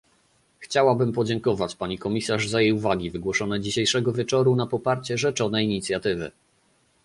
Chciałabym podziękować pani komisarz za jej uwagi wygłoszone dzisiejszego wieczoru na poparcie rzeczonej inicjatywy